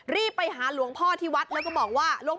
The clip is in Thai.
รีบไปหาหลวงพ่อที่วัดแล้วก็บอกว่า